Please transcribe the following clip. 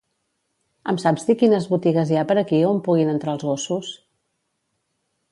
Em saps dir quines botigues hi ha per aquí on puguin entrar els gossos?